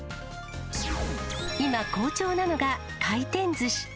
今、好調なのが回転ずし。